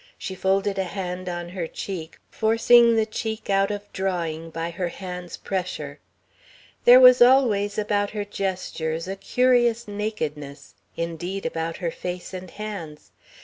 She folded a hand on her cheek, forcing the cheek out of drawing by her hand's pressure. There was always about her gestures a curious nakedness indeed, about her face and hands.